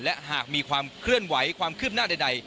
และหากมีความเคลื่อนไหวความคืบหน้าใด